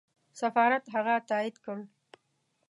سفارت هغه تایید کړ.